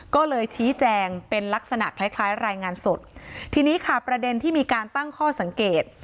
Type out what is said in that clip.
ก็เลยชี้แจงเป็นลักษณะคล้ายคล้ายรายงานสดทีนี้ค่ะประเด็นที่มีการตั้งข้อสังเกต